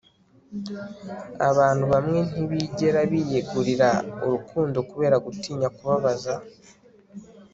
abantu bamwe ntibigera biyegurira urukundo kubera gutinya kubabaza